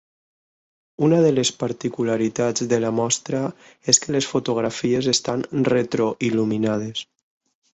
Una de les particularitats de la mostra és que les fotografies estan retro il·luminades.